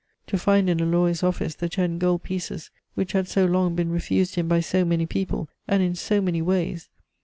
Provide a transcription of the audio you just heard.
To find in a lawyer's office the ten gold pieces which had so long been refused him by so many people, and in so many ways!